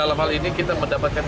dalam hal ini kita mendapatkan